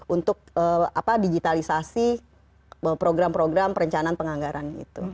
untuk digitalisasi program program perencanaan penganggaran gitu